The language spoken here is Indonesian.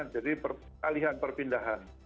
jadi peralihan perpindahan